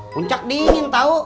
puncak dingin tau